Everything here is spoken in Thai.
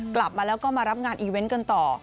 กลับมาแล้วก็มารับงานอีเวนต์กันต่อ